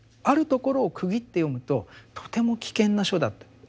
ある所を区切って読むととても危険な書だと。